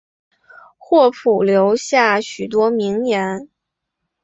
霍普留下许多名言。